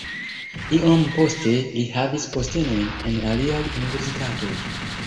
Iom poste li havis postenojn en aliaj universitatoj.